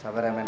sabar ya men